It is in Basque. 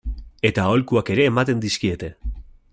Eta aholkuak ere ematen dizkiete.